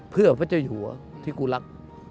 เพื่อพระเจ้าหัวที่กูรัก